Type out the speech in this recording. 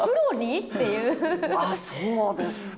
あっ、そうですか。